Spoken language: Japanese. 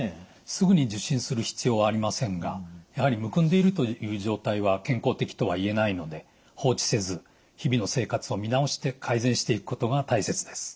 すぐに受診する必要はありませんがやはりむくんでいるという状態は健康的とはいえないので放置せず日々の生活を見直して改善していくことが大切です。